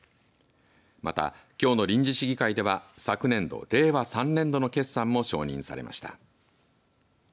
また、きょうの臨時市議会では昨年度、令和３年度の決算も承認されました。